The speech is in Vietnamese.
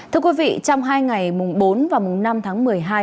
thưa quý vị trong hai ngày bốn và năm tháng một mươi hai